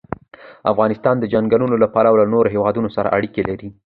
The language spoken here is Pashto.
افغانستان د چنګلونه له پلوه له نورو هېوادونو سره اړیکې لري.